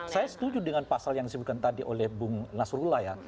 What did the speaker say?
saya setuju dengan pasal yang disebutkan tadi oleh bung nasrullah ya